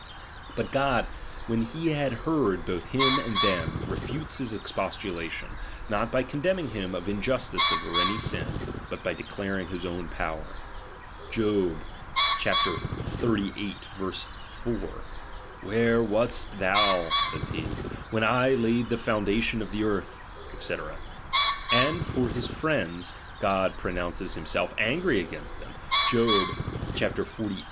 But God, when he had heard bott* him and thera, refutes his expostulation, not by^ condemning him of injustice or auy sin, but by^ declaring his own power, (Jobxxxviii. 4) : Wher^^ wast thou (says he) when I laid the foundation o^^ the earth, ^'c. And for his friends, God pro nounces himself angry against them (Job. xlii.